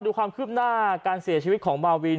ดูความคืบหน้าการเสียชีวิตของมาวิน